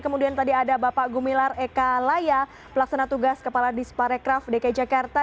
kemudian tadi ada bapak gumilar eka laya pelaksana tugas kepala disparekraf dki jakarta